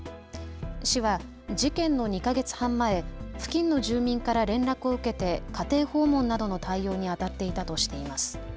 市は事件の２か月半前、付近の住民から連絡を受けて家庭訪問などの対応にあたっていたとしています。